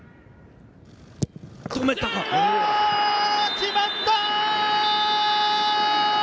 決まった！